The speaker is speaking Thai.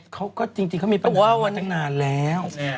เขาก็จริงเขามีปัญหามาตั้งนานแล้ว